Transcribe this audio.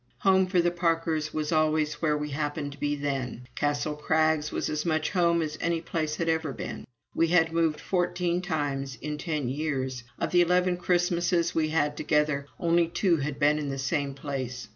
Home, for the Parkers, was always where we happened to be then. Castle Crags was as much "home" as any place had ever been. We had moved fourteen times in ten years: of the eleven Christmases we had had together, only two had been in the same place.